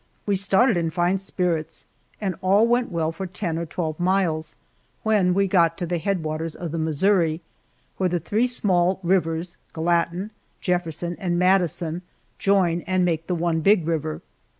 We started in fine spirits, and all went well for ten or twelve miles, when we got to the head waters of the Missouri, where the three small rivers, Gallatin, Jefferson, and Madison join and make the one big river.